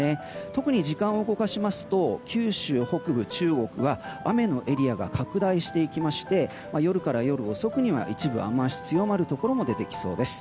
特に時間を動かしますと九州北部、中国は雨のエリアが拡大していきまして夜から夜遅くには一部雨脚が強まるところも出てきそうです。